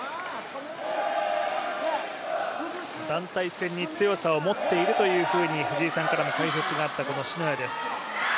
団体戦に強さを持っているというふうに藤井さんからも解説があった篠谷です。